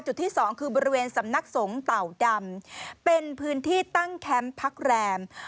ที่สองคือบริเวณสำนักสงฆ์เต่าดำเป็นพื้นที่ตั้งแคมป์พักแรม